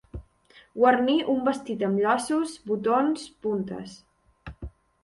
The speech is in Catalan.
Guarnir un vestit amb llaços, botons, puntes.